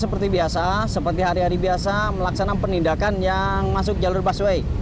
pemaksana penindakan yang masuk jalur busway